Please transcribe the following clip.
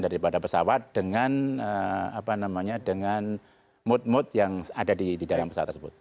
diterbitkan dari pesawat dengan apa namanya dengan mood mood yang ada di dalam pesawat tersebut